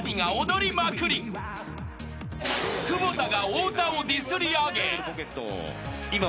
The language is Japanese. ［久保田が太田をディスりあげ］